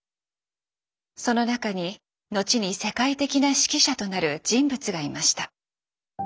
その中に後に世界的な指揮者となる人物がいました。